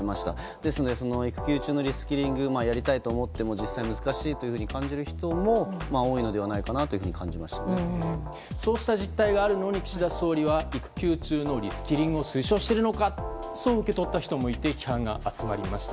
ですので、育休中のリスキリングやりたいと思っても実際難しいと感じる人もそうした実態があるのに岸田総理は育休中のリスキリングを推奨しているのかと受け取った人もいて批判が集まりました。